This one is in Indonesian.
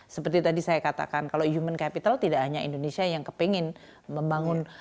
seperti tadi saya katakan kalau human capital tidak hanya indonesia yang kepingin membangun